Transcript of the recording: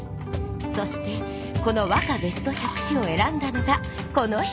そしてこの和歌ベスト１００首をえらんだのがこの人。